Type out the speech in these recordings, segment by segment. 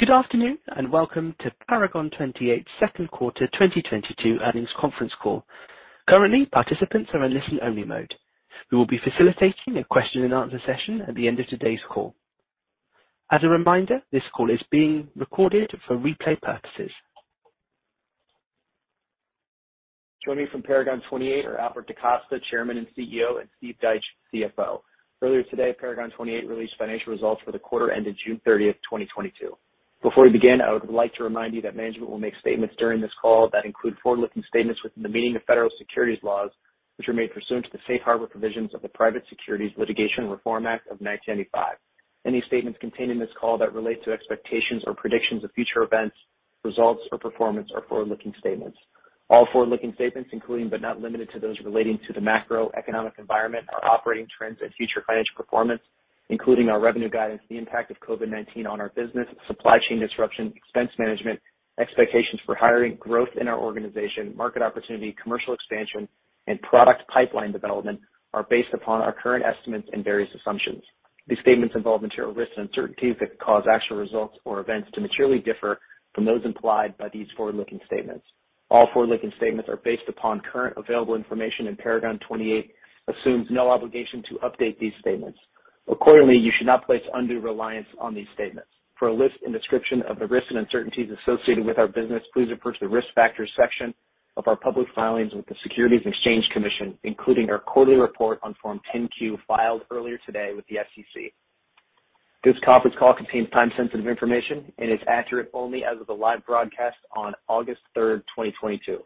Good afternoon, and welcome to Paragon 28 second quarter 2022 earnings conference call. Currently, participants are in listen-only mode. We will be facilitating a question and answer session at the end of today's call. As a reminder, this call is being recorded for replay purposes. Joining me from Paragon 28 are Albert DaCosta, Chairman and CEO, and Steve DeTomasi, CFO. Earlier today, Paragon 28 released financial results for the quarter ending June 30, 2022. Before we begin, I would like to remind you that management will make statements during this call that include forward-looking statements within the meaning of federal securities laws, which are made pursuant to the Safe Harbor provisions of the Private Securities Litigation Reform Act of 1995. Any statements contained in this call that relate to expectations or predictions of future events, results, or performance are forward-looking statements. All forward-looking statements, including but not limited to those relating to the macroeconomic environment, our operating trends and future financial performance, including our revenue guidance, the impact of COVID-19 on our business, supply chain disruption, expense management, expectations for hiring, growth in our organization, market opportunity, commercial expansion, and product pipeline development, are based upon our current estimates and various assumptions. These statements involve material risks and uncertainties that could cause actual results or events to materially differ from those implied by these forward-looking statements. All forward-looking statements are based upon currently available information, and Paragon 28 assumes no obligation to update these statements. Accordingly, you should not place undue reliance on these statements. For a list and description of the risks and uncertainties associated with our business, please refer to the Risk Factors section of our public filings with the Securities and Exchange Commission, including our quarterly report on Form 10-Q filed earlier today with the SEC. This conference call contains time-sensitive information and is accurate only as of the live broadcast on August 3, 2022.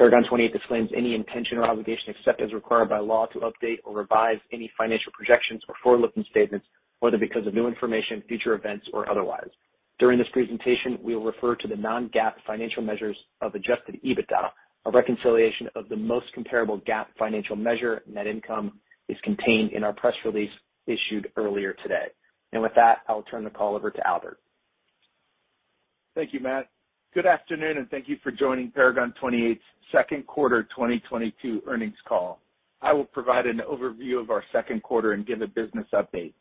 Paragon 28 disclaims any intention or obligation, except as required by law, to update or revise any financial projections or forward-looking statements, whether because of new information, future events, or otherwise. During this presentation, we will refer to the non-GAAP financial measures of adjusted EBITDA. A reconciliation of the most comparable GAAP financial measure, net income, is contained in our press release issued earlier today. With that, I'll turn the call over to Albert. Thank you, Matt. Good afternoon, and thank you for joining Paragon 28's second quarter 2022 earnings call. I will provide an overview of our second quarter and give a business update.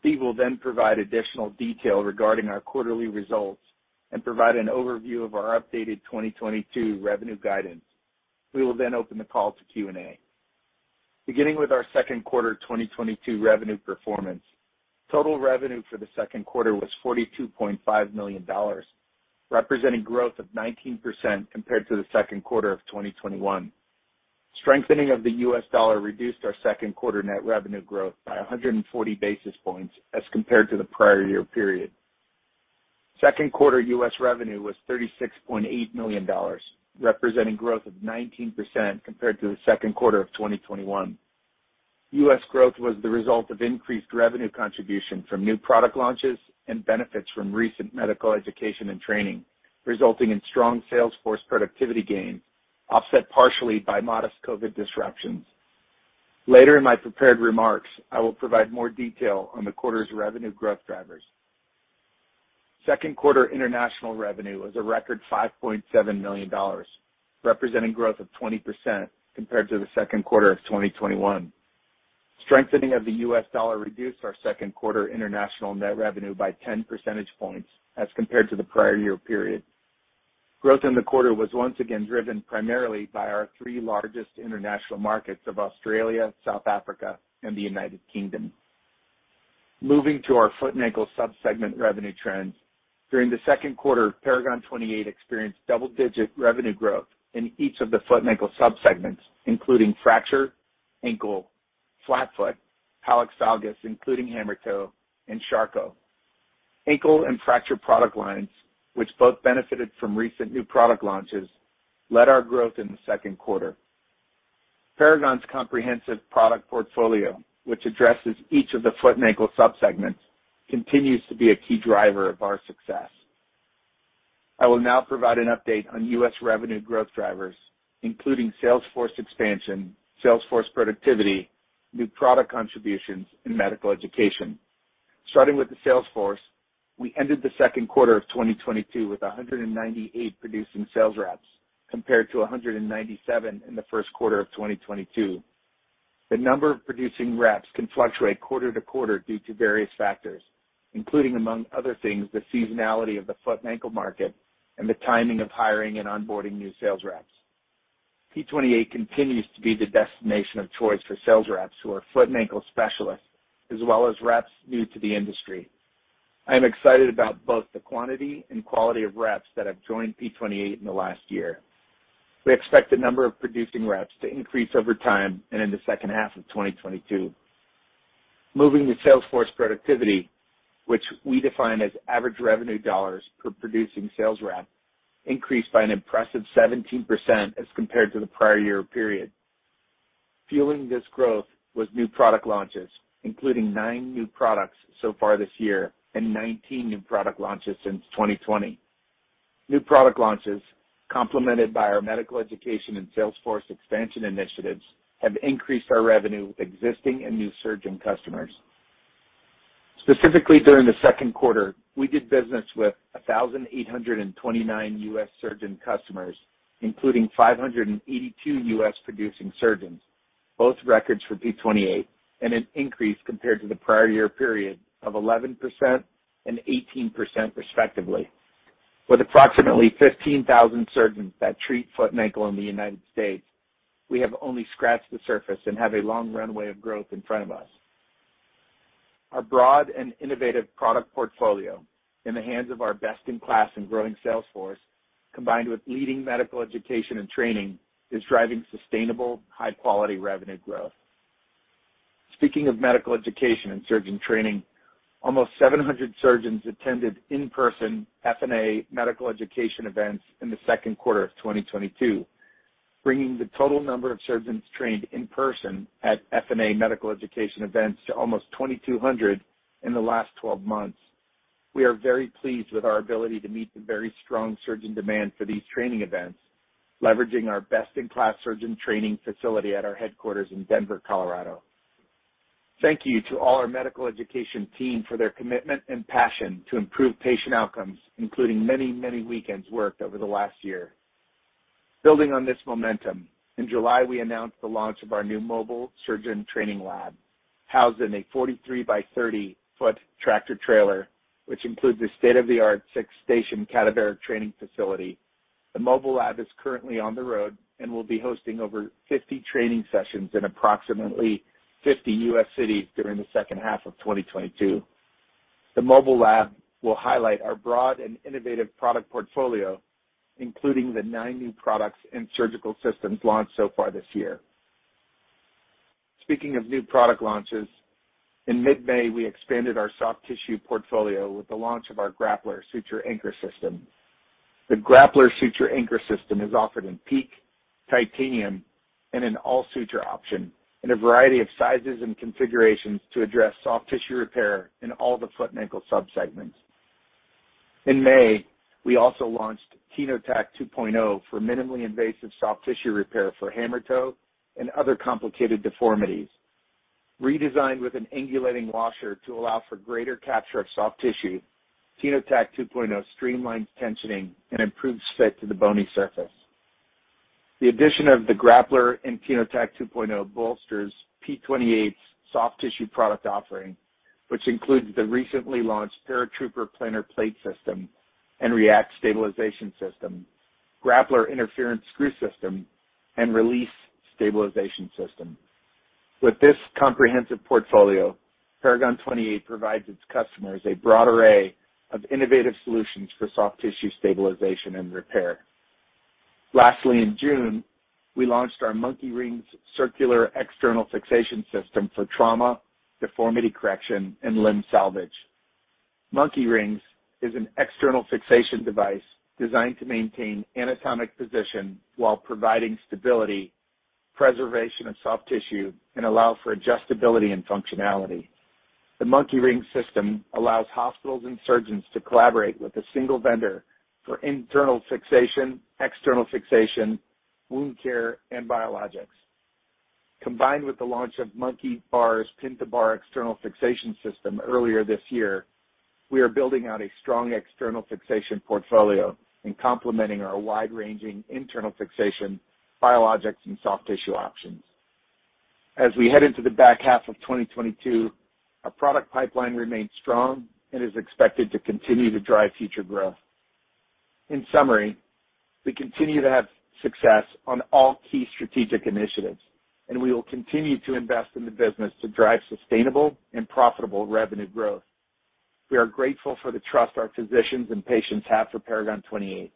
Steve will then provide additional detail regarding our quarterly results and provide an overview of our updated 2022 revenue guidance. We will then open the call to Q&A. Beginning with our second quarter 2022 revenue performance, total revenue for the second quarter was $42.5 million, representing growth of 19% compared to the second quarter of 2021. Strengthening of the U.S. dollar reduced our second quarter net revenue growth by 140 basis points as compared to the prior year period. Second quarter US revenue was $36.8 million, representing growth of 19% compared to the second quarter of 2021. U.S. growth was the result of increased revenue contribution from new product launches and benefits from recent medical education and training, resulting in strong sales force productivity gains, offset partially by modest COVID disruptions. Later in my prepared remarks, I will provide more detail on the quarter's revenue growth drivers. Second quarter international revenue was a record $5.7 million, representing growth of 20% compared to the second quarter of 2021. Strengthening of the U.S. dollar reduced our second quarter international net revenue by 10 percentage points as compared to the prior year period. Growth in the quarter was once again driven primarily by our three largest international markets of Australia, South Africa, and the United Kingdom. Moving to our foot and ankle sub-segment revenue trends, during the second quarter, Paragon 28 experienced double-digit revenue growth in each of the foot and ankle sub-segments, including fracture, ankle, flat foot, hallux valgus, including hammer toe, and Charcot. Ankle and fracture product lines, which both benefited from recent new product launches, led our growth in the second quarter. Paragon's comprehensive product portfolio, which addresses each of the foot and ankle sub-segments, continues to be a key driver of our success. I will now provide an update on U.S. revenue growth drivers, including sales force expansion, sales force productivity, new product contributions, and medical education. Starting with the sales force, we ended the second quarter of 2022 with 198 producing sales reps compared to 197 in the first quarter of 2022. The number of producing reps can fluctuate quarter to quarter due to various factors, including, among other things, the seasonality of the foot and ankle market and the timing of hiring and onboarding new sales reps. P28 continues to be the destination of choice for sales reps who are foot and ankle specialists, as well as reps new to the industry. I am excited about both the quantity and quality of reps that have joined P28 in the last year. We expect the number of producing reps to increase over time and in the second half of 2022. Moving to sales force productivity, which we define as average revenue dollars per producing sales rep, increased by an impressive 17% as compared to the prior year period. Fueling this growth was new product launches, including 9 new products so far this year and 19 new product launches since 2020. New product launches, complemented by our medical education and sales force expansion initiatives, have increased our revenue with existing and new surgeon customers. Specifically during the second quarter, we did business with 1,829 U.S. surgeon customers, including 582 U.S. producing surgeons. Both records for P28 and an increase compared to the prior year period of 11% and 18% respectively. With approximately 15,000 surgeons that treat foot and ankle in the United States, we have only scratched the surface and have a long runway of growth in front of us. Our broad and innovative product portfolio in the hands of our best in class and growing sales force, combined with leading medical education and training, is driving sustainable, high quality revenue growth. Speaking of medical education and surgeon training, almost 700 surgeons attended in-person FNA medical education events in the second quarter of 2022, bringing the total number of surgeons trained in person at FNA medical education events to almost 2,200 in the last 12 months. We are very pleased with our ability to meet the very strong surgeon demand for these training events, leveraging our best in class surgeon training facility at our headquarters in Denver, Colorado. Thank you to all our medical education team for their commitment and passion to improve patient outcomes, including many, many weekends worked over the last year. Building on this momentum, in July, we announced the launch of our new mobile surgeon training lab, housed in a 43ft by 30ft tractor trailer, which includes a state-of-the-art 6-station cadaveric training facility. The mobile lab is currently on the road and will be hosting over 50 training sessions in approximately 50 U.S. cities during the second half of 2022. The mobile lab will highlight our broad and innovative product portfolio, including the nine new products and surgical systems launched so far this year. Speaking of new product launches, in mid-May, we expanded our soft tissue portfolio with the launch of our Grappler Suture Anchor System. The Grappler Suture Anchor System is offered in PEEK, titanium, and an all-suture option in a variety of sizes and configurations to address soft tissue repair in all the foot and ankle subsegments. In May, we also launched TenoTac 2.0 for minimally invasive soft tissue repair for hammertoe and other complicated deformities. Redesigned with an angulating washer to allow for greater capture of soft tissue, TenoTac 2.0 streamlines tensioning and improves fit to the bony surface. The addition of the Grappler and TenoTac 2.0 bolsters P28's soft tissue product offering, which includes the recently launched Paratrooper Plantar Plate system and R3ACT stabilization system, Grappler Interference Screw system, and R3LEASE Stabilization system. With this comprehensive portfolio, Paragon 28 provides its customers a broad array of innovative solutions for soft tissue stabilization and repair. Lastly, in June, we launched our Monkey Rings Circular External Fixation system for trauma, deformity correction, and limb salvage. Monkey Rings is an external fixation device designed to maintain anatomic position while providing stability, preservation of soft tissue, and allow for adjustability and functionality. The Monkey Rings system allows hospitals and surgeons to collaborate with a single vendor for internal fixation, external fixation, wound care, and biologics. Combined with the launch of Monkey Bars Pin to Bar External Fixation System earlier this year, we are building out a strong external fixation portfolio and complementing our wide-ranging internal fixation, biologics, and soft tissue options. As we head into the back half of 2022, our product pipeline remains strong and is expected to continue to drive future growth. In summary, we continue to have success on all key strategic initiatives, and we will continue to invest in the business to drive sustainable and profitable revenue growth. We are grateful for the trust our physicians and patients have for Paragon 28.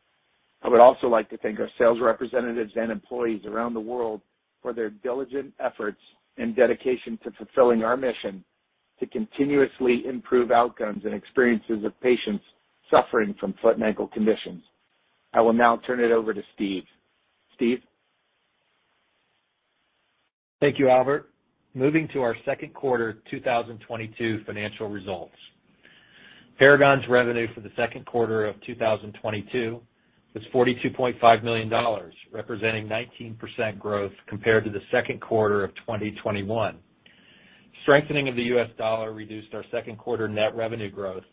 I would also like to thank our sales representatives and employees around the world for their diligent efforts and dedication to fulfilling our mission to continuously improve outcomes and experiences of patients suffering from foot and ankle conditions. I will now turn it over to Steve. Steve? Thank you, Albert. Moving to our second quarter 2022 financial results. Paragon's revenue for the second quarter of 2022 was $42.5 million, representing 19% growth compared to the second quarter of 2021. Strengthening of the US dollar reduced our second quarter net revenue growth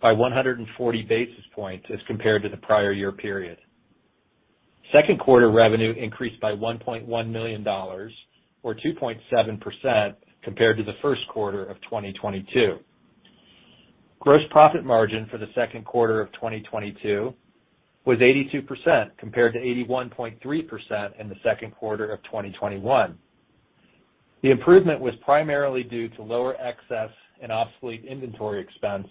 by 140 basis points as compared to the prior year period. Second quarter revenue increased by $1.1 million or 2.7% compared to the first quarter of 2022. Gross profit margin for the second quarter of 2022 was 82% compared to 81.3% in the second quarter of 2021. The improvement was primarily due to lower excess and obsolete inventory expense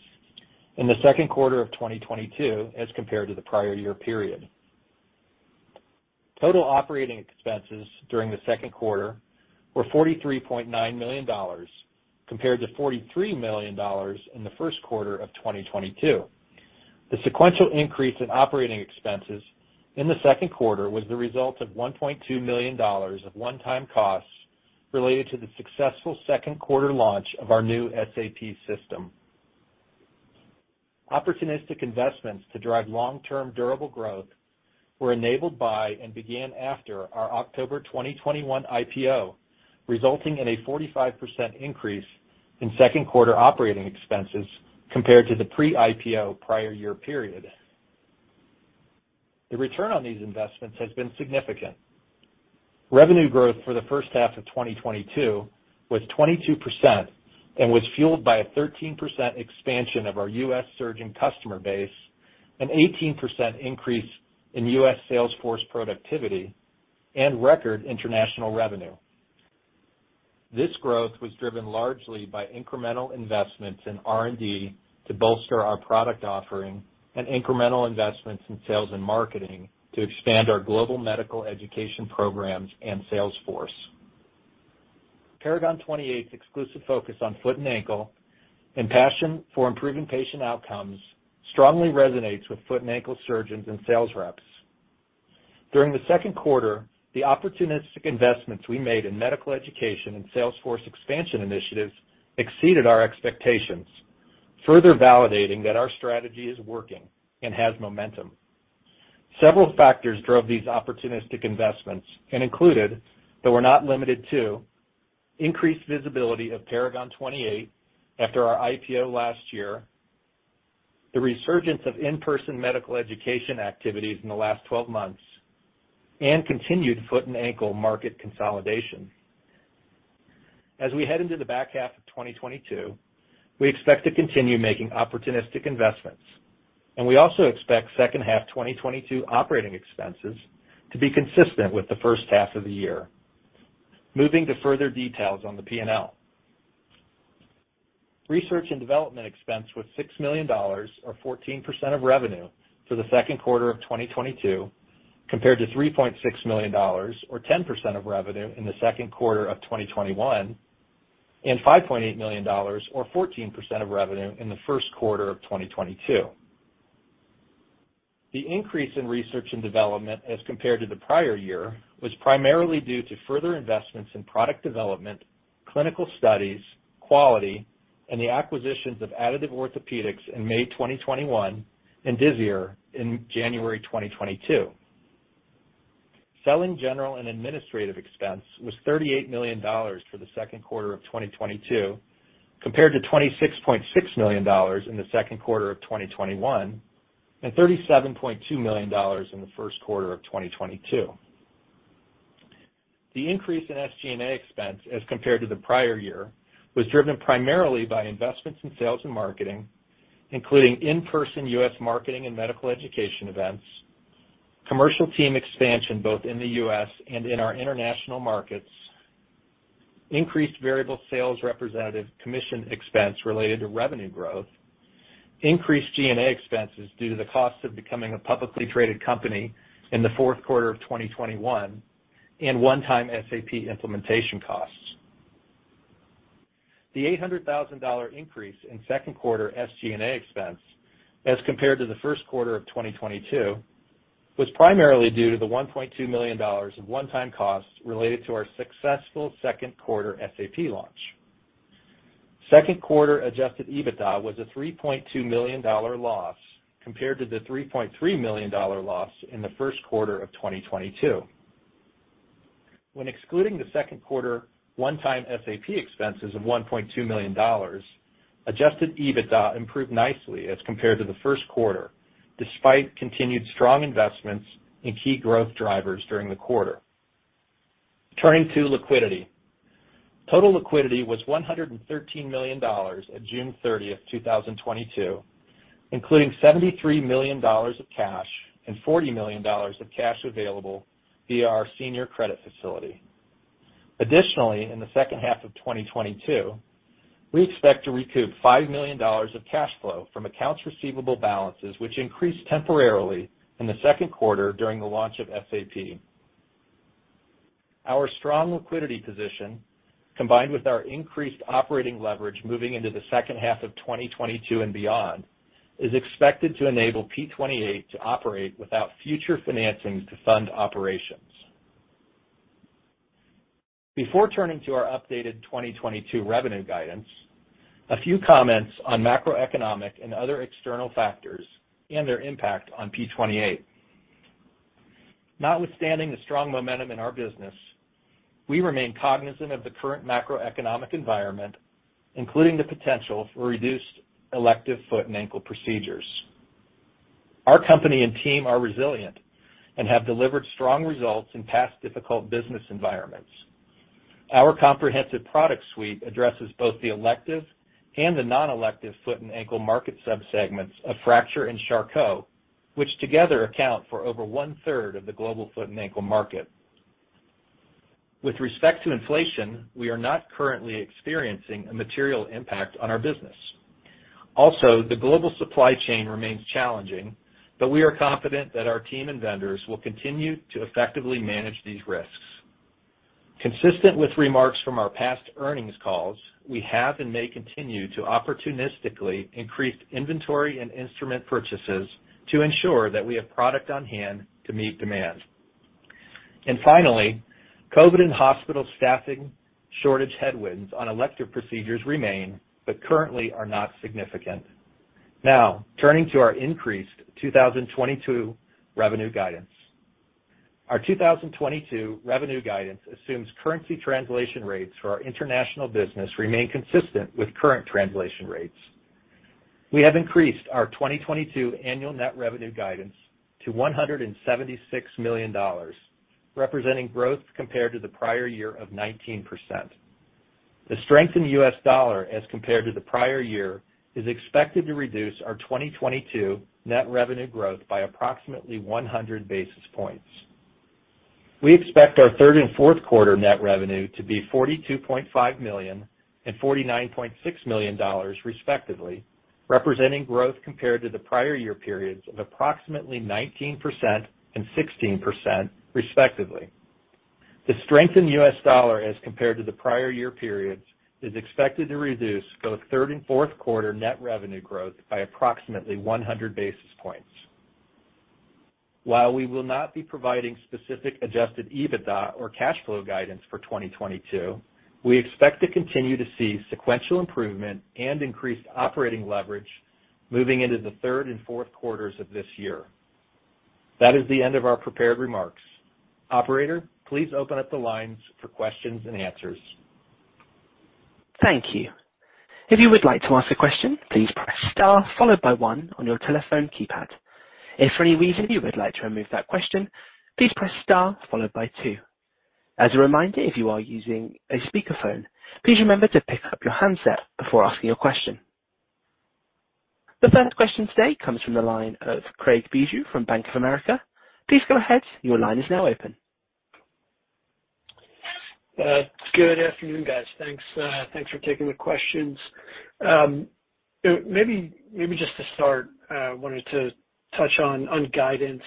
in the second quarter of 2022 as compared to the prior year period. Total operating expenses during the second quarter were $43.9 million compared to $43 million in the first quarter of 2022. The sequential increase in operating expenses in the second quarter was the result of $1.2 million of one-time costs related to the successful second quarter launch of our new SAP system. Opportunistic investments to drive long-term durable growth were enabled by and began after our October 2021 IPO, resulting in a 45% increase in second quarter operating expenses compared to the pre-IPO prior year period. The return on these investments has been significant. Revenue growth for the first half of 2022 was 22% and was fueled by a 13% expansion of our U.S. surgeon customer base, an 18% increase in U.S. sales force productivity, and record international revenue. This growth was driven largely by incremental investments in R&D to bolster our product offering and incremental investments in sales and marketing to expand our global medical education programs and sales force. Paragon 28's exclusive focus on foot and ankle and passion for improving patient outcomes strongly resonates with foot and ankle surgeons and sales reps. During the second quarter, the opportunistic investments we made in medical education and sales force expansion initiatives exceeded our expectations, further validating that our strategy is working and has momentum. Several factors drove these opportunistic investments and included, though we're not limited to, increased visibility of Paragon 28 after our IPO last year, the resurgence of in-person medical education activities in the last 12 months, and continued foot and ankle market consolidation. As we head into the back half of 2022, we expect to continue making opportunistic investments, and we also expect second half 2022 operating expenses to be consistent with the first half of the year. Moving to further details on the P&L. Research and development expense was $6 million, or 14% of revenue, for the second quarter of 2022, compared to $3.6 million, or 10% of revenue, in the second quarter of 2021, and $5.8 million or 14% of revenue in the first quarter of 2022. The increase in research and development as compared to the prior year was primarily due to further investments in product development, clinical studies, quality, and the acquisitions of Additive Orthopaedics in May 2021 and Disior in January 2022. Selling, general, and administrative expense was $38 million for the second quarter of 2022, compared to $26.6 million in the second quarter of 2021 and $37.2 million in the first quarter of 2022. The increase in SG&A expense as compared to the prior year was driven primarily by investments in sales and marketing, including in-person US marketing and medical education events, commercial team expansion both in the US and in our international markets, increased variable sales representative commission expense related to revenue growth, increased G&A expenses due to the cost of becoming a publicly traded company in the fourth quarter of 2021, and one-time SAP implementation costs. The $800,000 increase in second quarter SG&A expense as compared to the first quarter of 2022 was primarily due to the $1.2 million of one-time costs related to our successful second quarter SAP launch. Second quarter adjusted EBITDA was a $3.2 million loss, compared to the $3.3 million loss in the first quarter of 2022. When excluding the second quarter one-time SAP expenses of $1.2 million, adjusted EBITDA improved nicely as compared to the first quarter, despite continued strong investments in key growth drivers during the quarter. Turning to liquidity. Total liquidity was $113 million at June 30, 2022, including $73 million of cash and $40 million of cash available via our senior credit facility. Additionally, in the second half of 2022, we expect to recoup $5 million of cash flow from accounts receivable balances which increased temporarily in the second quarter during the launch of SAP. Our strong liquidity position, combined with our increased operating leverage moving into the second half of 2022 and beyond, is expected to enable P28 to operate without future financings to fund operations. Before turning to our updated 2022 revenue guidance, a few comments on macroeconomic and other external factors and their impact on P28. Notwithstanding the strong momentum in our business, we remain cognizant of the current macroeconomic environment, including the potential for reduced elective foot and ankle procedures. Our company and team are resilient and have delivered strong results in past difficult business environments. Our comprehensive product suite addresses both the elective and the non-elective foot and ankle market subsegments of fracture and Charcot, which together account for over 1/3 of the global foot and ankle market. With respect to inflation, we are not currently experiencing a material impact on our business. Also, the global supply chain remains challenging, but we are confident that our team and vendors will continue to effectively manage these risks. Consistent with remarks from our past earnings calls, we have and may continue to opportunistically increase inventory and instrument purchases to ensure that we have product on hand to meet demand. Finally, COVID and hospital staffing shortage headwinds on elective procedures remain, but currently are not significant. Now, turning to our increased 2022 revenue guidance. Our 2022 revenue guidance assumes currency translation rates for our international business remain consistent with current translation rates. We have increased our 2022 annual net revenue guidance to $176 million, representing growth compared to the prior year of 19%. The strength in the U.S. dollar as compared to the prior year is expected to reduce our 2022 net revenue growth by approximately 100 basis points. We expect our third and fourth quarter net revenue to be $42.5 million and $49.6 million, respectively, representing growth compared to the prior year periods of approximately 19% and 16%, respectively. The strength in U.S. dollar as compared to the prior year periods is expected to reduce both third and fourth quarter net revenue growth by approximately 100 basis points. While we will not be providing specific adjusted EBITDA or cash flow guidance for 2022, we expect to continue to see sequential improvement and increased operating leverage moving into the third and fourth quarters of this year. That is the end of our prepared remarks. Operator, please open up the lines for questions and answers. Thank you. If you would like to ask a question, please press star followed by one on your telephone keypad. If for any reason you would like to remove that question, please press star followed by two. As a reminder, if you are using a speakerphone, please remember to pick up your handset before asking your question. The first question today comes from the line of Craig Bijou from Bank of America. Please go ahead. Your line is now open. Good afternoon, guys. Thanks for taking the questions. Maybe just to start, wanted to touch on guidance.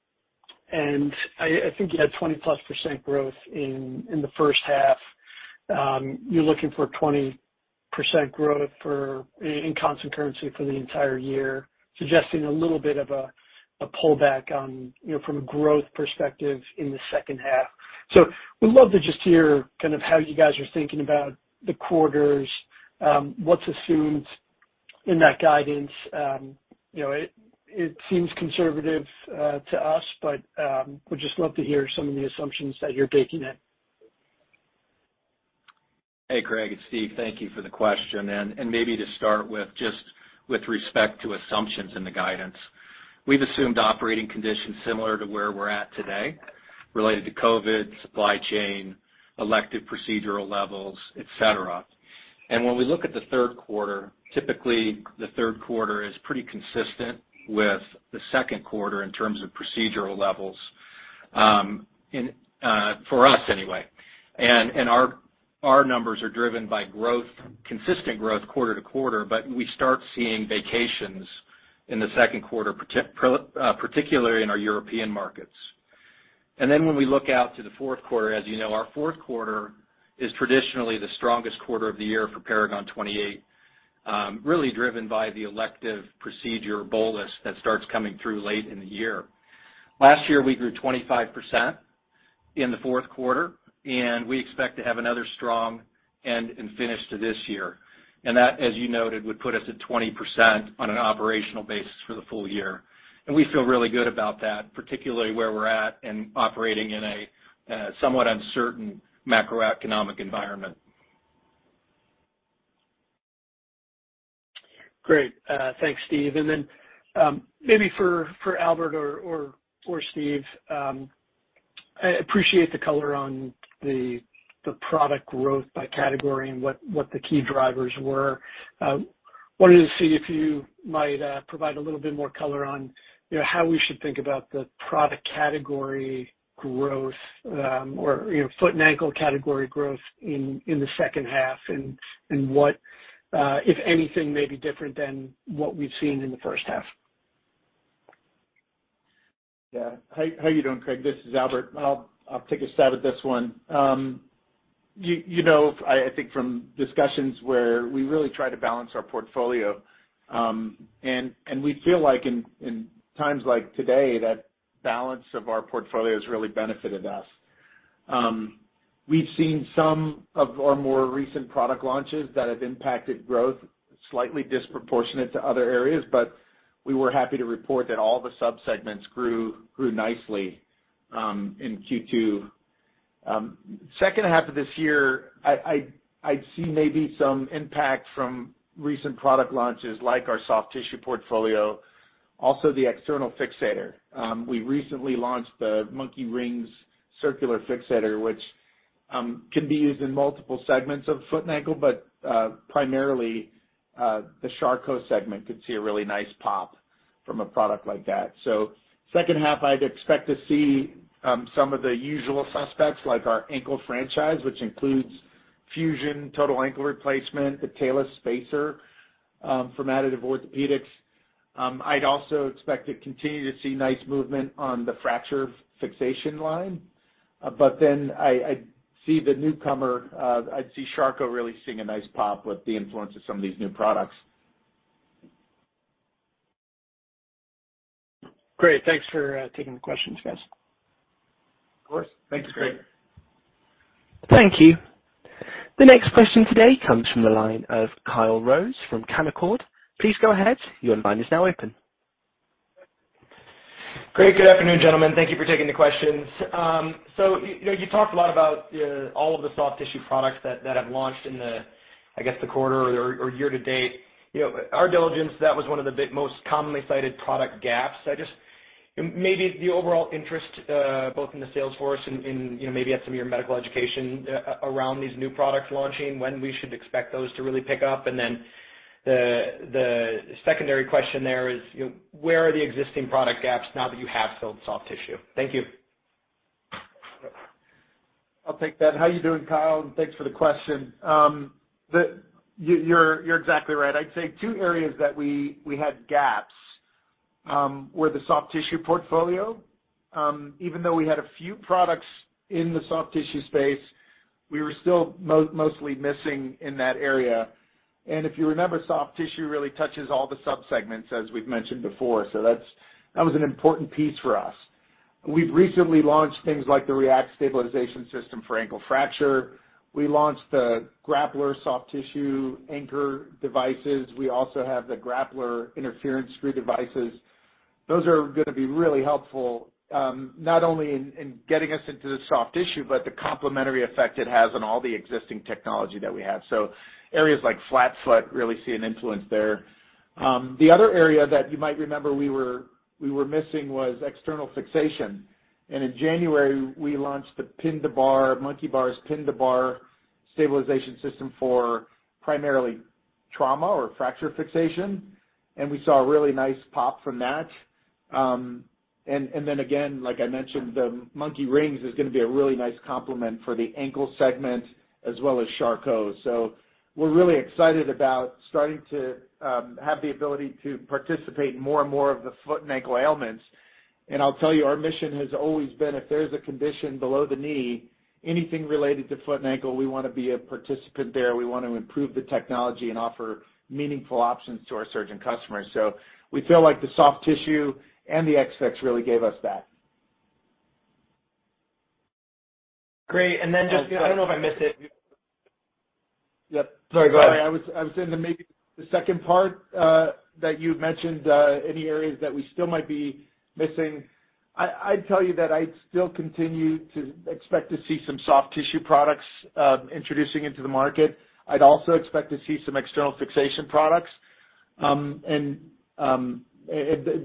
I think you had 20%+ growth in the first half. You're looking for 20% growth in constant currency for the entire year, suggesting a little bit of a pullback on from a growth perspective in the second half. Would love to just hear kind of how you guys are thinking about the quarters, what's assumed in that guidance. It seems conservative to us, but would just love to hear some of the assumptions that you're baking in. Hey, Craig, it's Steve. Thank you for the question. Maybe to start with, just with respect to assumptions in the guidance, we've assumed operating conditions similar to where we're at today related to COVID, supply chain, elective procedural levels, etc. When we look at the third quarter, typically the third quarter is pretty consistent with the second quarter in terms of procedural levels, in for us anyway. Our numbers are driven by growth, consistent growth quarter to quarter, but we start seeing vacations in the second quarter, particularly in our European markets. When we look out to the fourth quarter, as you know, our fourth quarter is traditionally the strongest quarter of the year for Paragon 28, really driven by the elective procedure bolus that starts coming through late in the year. Last year, we grew 25% in the fourth quarter, and we expect to have another strong end and finish to this year. That, as you noted, would put us at 20% on an operational basis for the full year. We feel really good about that, particularly where we're at and operating in a somewhat uncertain macroeconomic environment. Great. Thanks, Steve. Maybe for Albert or Steve, I appreciate the color on the product growth by category and what the key drivers were. Wanted to see if you might provide a little bit more color on, you know, how we should think about the product category growth, or you know, foot and ankle category growth in the second half and what, if anything, may be different than what we've seen in the first half. Yeah. How are you doing, Craig? This is Albert. I'll take a stab at this one. You know, I think from discussions where we really try to balance our portfolio, and we feel like in times like today, that balance of our portfolio has really benefited us. We've seen some of our more recent product launches that have impacted growth slightly disproportionate to other areas, but we were happy to report that all the subsegments grew nicely in Q2. Second half of this year, I'd see maybe some impact from recent product launches like our soft tissue portfolio, also the external fixator. We recently launched the Monkey Rings circular fixator, which can be used in multiple segments of foot and ankle. Primarily, the Charcot segment could see a really nice pop from a product like that. Second half, I'd expect to see some of the usual suspects like our ankle franchise, which includes fusion, total ankle replacement, the Talus Spacer from Additive Orthopaedics. I'd also expect to continue to see nice movement on the fracture fixation line. I see the newcomer. I'd see Charcot really seeing a nice pop with the influence of some of these new products. Great. Thanks for taking the questions, guys. Of course. Thanks, Craig. Thank you. The next question today comes from the line of Kyle Rose from Canaccord. Please go ahead. Your line is now open. Great. Good afternoon, gentlemen. Thank you for taking the questions. You know, you talked a lot about all of the soft tissue products that have launched in the, I guess, the quarter or year to date. You know, our diligence, that was one of the big, most commonly cited product gaps. Maybe the overall interest both in the sales force and, you know, maybe at some of your medical education around these new products launching, when we should expect those to really pick up. The secondary question there is, you know, where are the existing product gaps now that you have filled soft tissue? Thank you. I'll take that. How are you doing, Kyle? Thanks for the question. You're exactly right. I'd say two areas that we had gaps were the soft tissue portfolio. Even though we had a few products in the soft tissue space, we were still mostly missing in that area. If you remember, soft tissue really touches all the subsegments, as we've mentioned before. That was an important piece for us. We've recently launched things like the R3ACT Stabilization System for ankle fracture. We launched the Grappler Suture Anchor devices. We also have the Grappler Interference Screw devices. Those are gonna be really helpful, not only in getting us into the soft tissue, but the complementary effect it has on all the existing technology that we have. Areas like flat foot really see an influence there. The other area that you might remember we were missing was external fixation. In January, we launched the Monkey Bars Pin to Bar External Fixation System for primarily trauma or fracture fixation, and we saw a really nice pop from that. Then again, like I mentioned, the Monkey Rings is gonna be a really nice complement for the ankle segment as well as Charcot. We're really excited about starting to have the ability to participate in more and more of the foot and ankle ailments. I'll tell you, our mission has always been if there's a condition below the knee, anything related to foot and ankle, we wanna be a participant there. We want to improve the technology and offer meaningful options to our surgeon customers. We feel like the soft tissue and the XFix really gave us that. Great. Just, I don't know if I missed it. Yep. Sorry, go ahead. I was saying that maybe the second part that you mentioned, any areas that we still might be missing. I'd tell you that I'd still continue to expect to see some soft tissue products introducing into the market. I'd also expect to see some external fixation products. And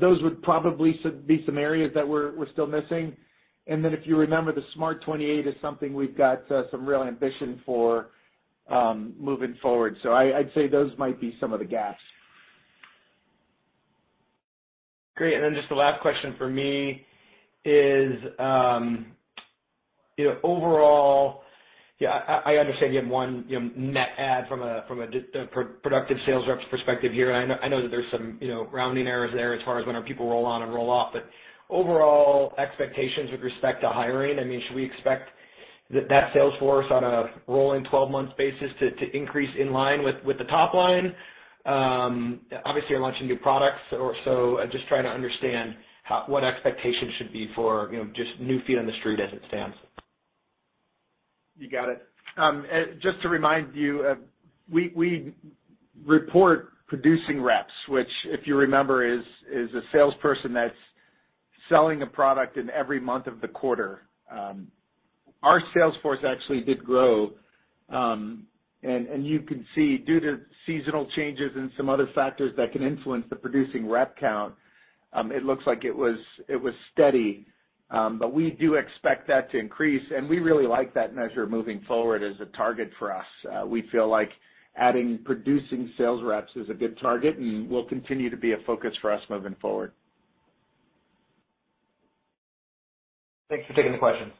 those would probably be some areas that we're still missing. Then if you remember, the SMART28 is something we've got some real ambition for moving forward. I'd say those might be some of the gaps. Great. Just the last question for me is overall, yeah, I understand you have one, you know, net add from a productive sales reps perspective here. I know that there's some, you know, rounding errors there as far as when our people roll on and roll off. Overall expectations with respect to hiring, I mean, should we expect that sales force on a rolling 12-month basis to increase in line with the top line? Obviously, you're launching new products or so I'm just trying to understand what expectations should be for just new feet on the street as it stands. You got it. Just to remind you, we report producing reps, which if you remember, is a salesperson that's selling a product in every month of the quarter. Our sales force actually did grow, and you can see due to seasonal changes and some other factors that can influence the producing rep count, it looks like it was steady. But we do expect that to increase, and we really like that measure moving forward as a target for us. We feel like adding producing sales reps is a good target and will continue to be a focus for us moving forward. Thanks for taking the question.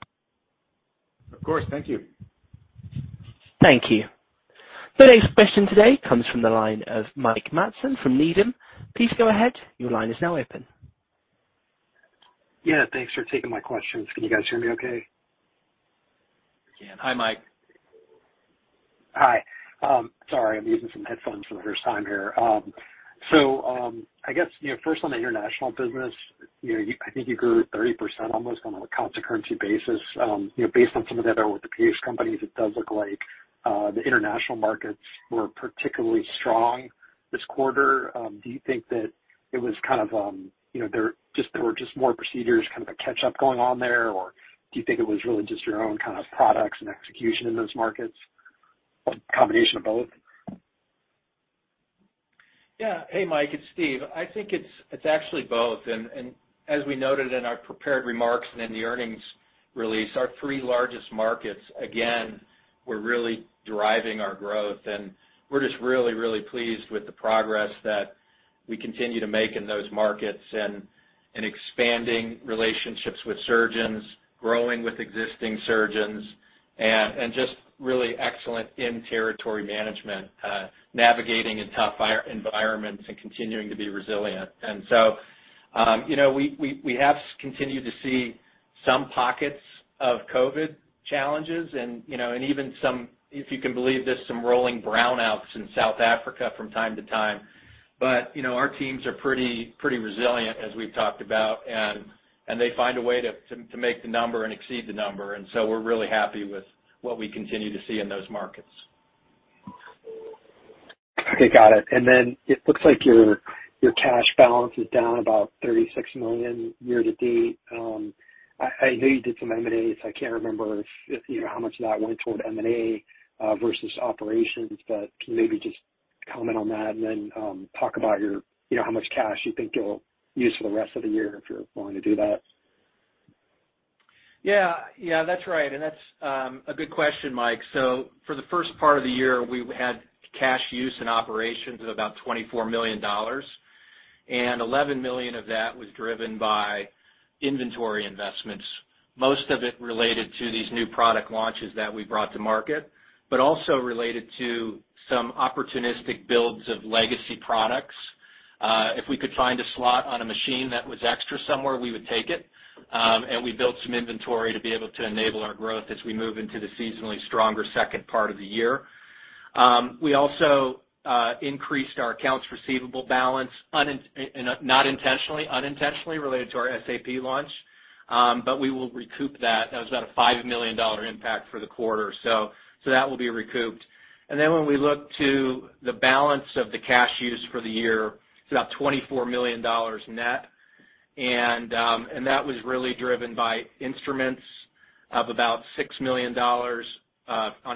Of course. Thank you. Thank you. The next question today comes from the line of Mike Matson from Needham. Please go ahead. Your line is now open. Yeah, thanks for taking my questions. Can you guys hear me okay? We can. Hi, Mike. Hi. Sorry, I'm using some headphones for the first time here. So, I guess, you know, first on the international business, you know, I think you grew 30% almost on a constant currency basis. You know, based on some of the other orthopedic companies, it does look like the international markets were particularly strong this quarter. Do you think that it was kind of, you know, there were just more procedures, kind of a catch-up going on there, or do you think it was really just your own kind of products and execution in those markets, a combination of both? Yeah. Hey, Mike, it's Steve. I think it's actually both. As we noted in our prepared remarks and in the earnings release, our three largest markets, again, were really driving our growth. We're just really pleased with the progress that we continue to make in those markets and expanding relationships with surgeons, growing with existing surgeons, and just really excellent in territory management, navigating in tough environments and continuing to be resilient. You know, we have continued to see some pockets of COVID challenges and you know and even some, if you can believe this, some rolling brownouts in South Africa from time to time. You know, our teams are pretty resilient, as we've talked about, and they find a way to make the number and exceed the number. We're really happy with what we continue to see in those markets. Okay, got it. It looks like your cash balance is down about $36 million year to date. I know you did some M&As. I can't remember if you know how much of that went toward M&A versus operations, but can you maybe just comment on that and then talk about your you know how much cash you think you'll use for the rest of the year, if you're willing to do that? Yeah, that's right. That's a good question, Mike. For the first part of the year, we had cash use in operations of about $24 million, and $11 million of that was driven by inventory investments, most of it related to these new product launches that we brought to market, but also related to some opportunistic builds of legacy products. If we could find a slot on a machine that was extra somewhere, we would take it. We built some inventory to be able to enable our growth as we move into the seasonally stronger second part of the year. We also increased our accounts receivable balance unintentionally related to our SAP launch. We will recoup that. That was about a $5 million impact for the quarter. That will be recouped. Then when we look to the balance of the cash use for the year, it's about $24 million net. That was really driven by instruments of about $6 million on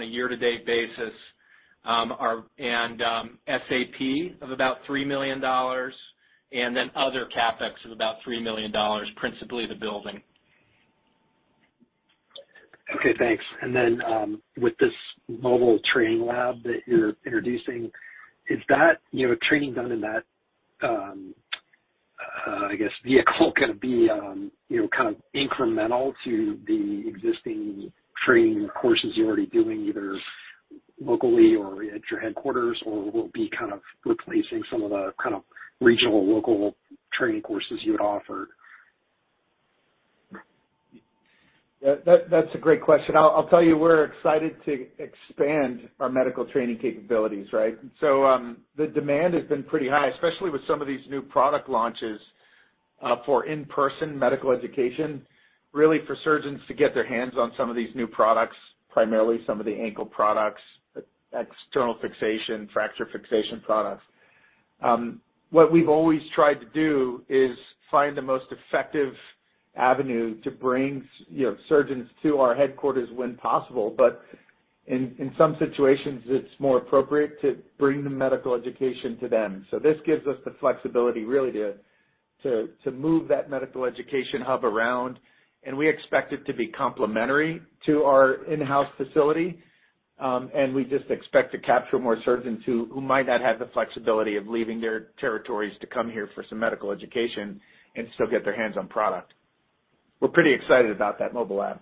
a year-to-date basis, SAP of about $3 million, and then other CapEx of about $3 million, principally the building. Okay, thanks. With this mobile training lab that you're introducing, is that, you know, training done in that, I guess, vehicle gonna be, you know, kind of incremental to the existing training courses you're already doing, either locally or at your headquarters, or will it be kind of replacing some of the kind of regional local training courses you had offered? That's a great question. I'll tell you, we're excited to expand our medical training capabilities, right? The demand has been pretty high, especially with some of these new product launches, for in-person medical education, really for surgeons to get their hands on some of these new products, primarily some of the ankle products, external fixation, fracture fixation products. What we've always tried to do is find the most effective avenue to bring you know, surgeons to our headquarters when possible, but in some situations, it's more appropriate to bring the medical education to them. This gives us the flexibility really to move that medical education hub around, and we expect it to be complementary to our in-house facility. We just expect to capture more surgeons who might not have the flexibility of leaving their territories to come here for some medical education and still get their hands on product. We're pretty excited about that mobile lab.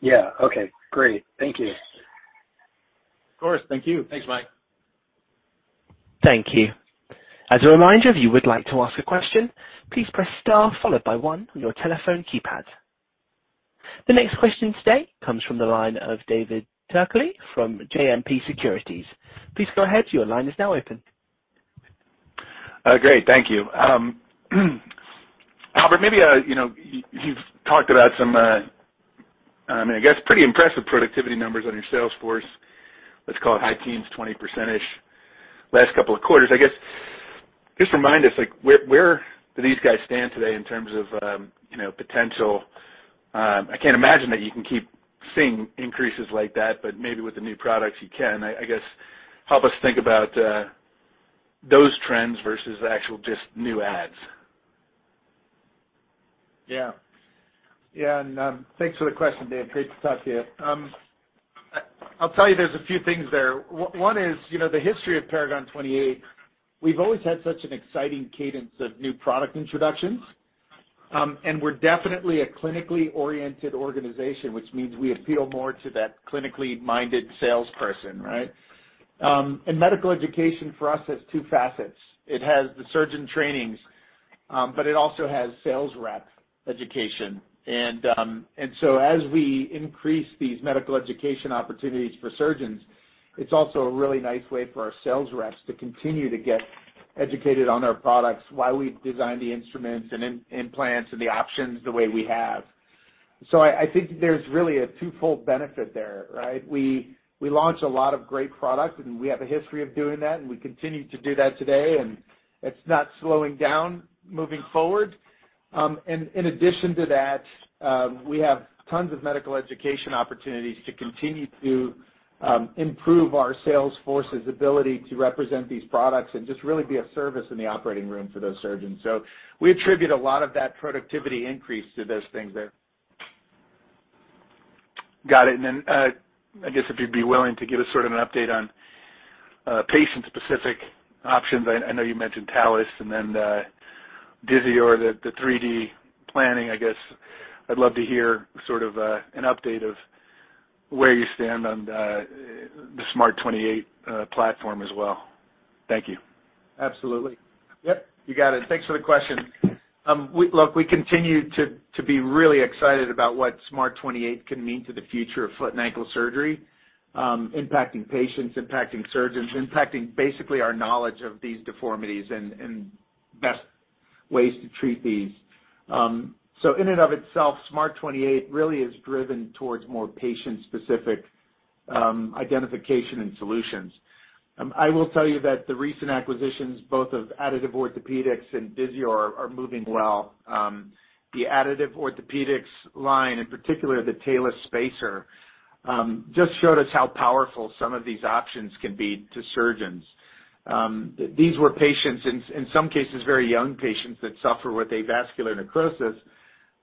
Yeah. Okay, great. Thank you. Of course. Thank you. Thanks, Mike. Thank you. As a reminder, if you would like to ask a question, please press star followed by one on your telephone keypad. The next question today comes from the line of David Turkaly from JMP Securities. Please go ahead. Your line is now open. Great. Thank you. Albert, maybe, you know, you've talked about some pretty impressive productivity numbers on your sales force. Let's call it high teens, 20%-ish last couple of quarters. I guess, just remind us, like, where do these guys stand today in terms of, you know, potential? I can't imagine that you can keep seeing increases like that, but maybe with the new products you can. I guess help us think about those trends versus actual just new adds. Yeah. Thanks for the question, Dave. Great to talk to you. I'll tell you there's a few things there. One is, you know, the history of Paragon 28, we've always had such an exciting cadence of new product introductions. We're definitely a clinically oriented organization, which means we appeal more to that clinically minded salesperson, right? Medical education for us has two facets. It has the surgeon trainings, but it also has sales rep education. As we increase these medical education opportunities for surgeons, it's also a really nice way for our sales reps to continue to get educated on our products, why we've designed the instruments and implants and the options the way we have. I think there's really a twofold benefit there, right? We launch a lot of great products, and we have a history of doing that, and we continue to do that today. It's not slowing down moving forward. In addition to that, we have tons of medical education opportunities to continue to improve our sales force's ability to represent these products and just really be of service in the operating room for those surgeons. We attribute a lot of that productivity increase to those things there. Got it. I guess if you'd be willing to give us sort of an update on patient-specific options. I know you mentioned Talus and then Disior or the 3D planning. I guess I'd love to hear sort of an update of where you stand on the SMART28 platform as well. Thank you. Absolutely. Yep, you got it. Thanks for the question. Look, we continue to be really excited about what SMART28 can mean to the future of foot and ankle surgery, impacting patients, impacting surgeons, impacting basically our knowledge of these deformities and best ways to treat these. In and of itself, SMART28 really is driven towards more patient-specific identification and solutions. I will tell you that the recent acquisitions, both of Additive Orthopaedics and Disior, are moving well. The Additive Orthopaedics line, in particular, the Talus Spacer, just showed us how powerful some of these options can be to surgeons. These were patients, in some cases, very young patients that suffer with avascular necrosis,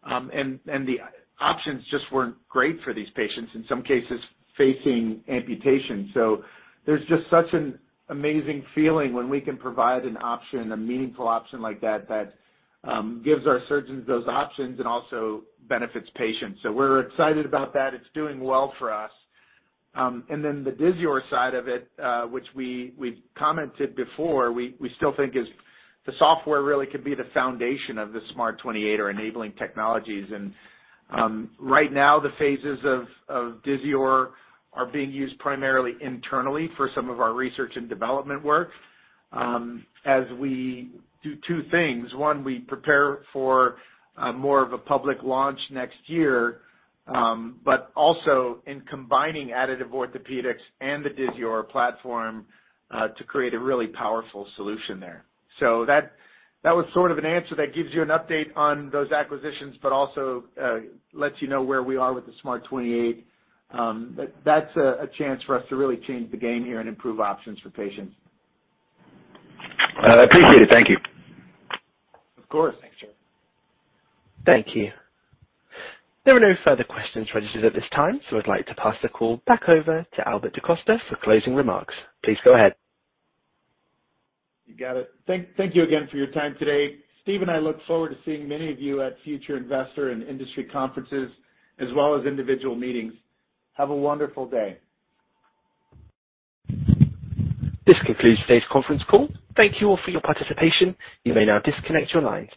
and the options just weren't great for these patients, in some cases facing amputation. There's just such an amazing feeling when we can provide an option, a meaningful option like that gives our surgeons those options and also benefits patients. We're excited about that. It's doing well for us. Then the Disior side of it, which we've commented before, we still think is the software really could be the foundation of the SMART28 or enabling technologies. Right now, the phases of Disior are being used primarily internally for some of our research and development work, as we do two things, one, we prepare for more of a public launch next year, but also in combining Additive Orthopedics and the Disior platform to create a really powerful solution there. That was sort of an answer that gives you an update on those acquisitions, but also lets you know where we are with the SMART28. That's a chance for us to really change the game here and improve options for patients. I appreciate it. Thank you. Of course. Thank you. There are no further questions registered at this time, so I'd like to pass the call back over to Albert DaCosta for closing remarks. Please go ahead. You got it. Thank you again for your time today. Steve and I look forward to seeing many of you at future investor and industry conferences, as well as individual meetings. Have a wonderful day. This concludes today's conference call. Thank you all for your participation. You may now disconnect your lines.